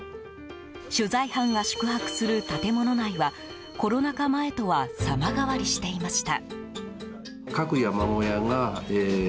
取材班が宿泊する建物内はコロナ禍前とは様変わりしていました。